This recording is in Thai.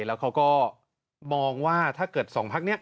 แล้วเขาก็มองว่าถ้าเกิดสองพักนี้